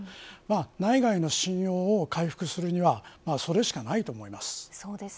内外の信用を回復するにはそれしかないと思います。